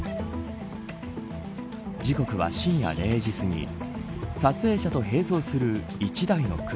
時刻は深夜０時すぎ撮影者と並走する１台の車。